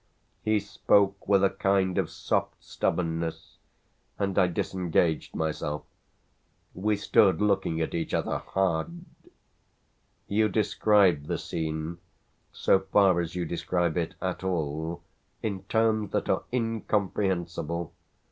He spoke with a kind of soft stubbornness, and I disengaged myself. We stood looking at each other hard. "You describe the scene so far as you describe it at all in terms that are incomprehensible.